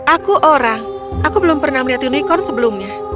aku orang aku belum pernah melihat unicorn sebelumnya